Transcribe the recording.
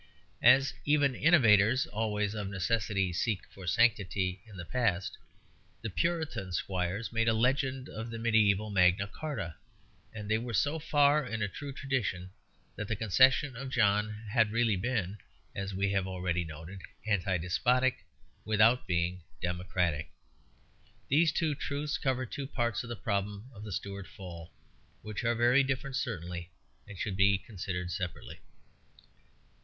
As even innovators always of necessity seek for sanctity in the past, the Puritan squires made a legend of the mediæval Magna Carta; and they were so far in a true tradition that the concession of John had really been, as we have already noted, anti despotic without being democratic. These two truths cover two parts of the problem of the Stuart fall, which are of very different certainty, and should be considered separately.